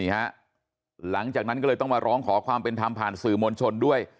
หลังจากนั้นก็เลยต้องมาร้องขอความเป็นธรรมผ่านสื่อมวลชนด้วย